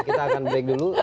kita akan break dulu